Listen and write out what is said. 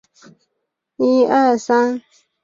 圣夫洛朗人口变化图示